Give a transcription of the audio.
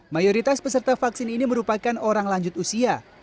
mayoritas peserta vaksin ini merupakan orang lanjut usia